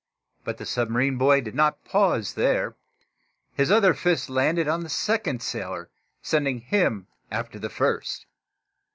But the submarine boy did not pause there. His other fist, landed on the second sailor, sending him after the first.